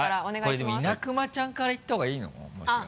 でも稲熊ちゃんからいったほうがいいのかな？